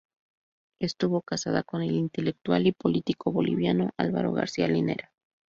Estuvo casada con el intelectual y político boliviano Álvaro García Linera.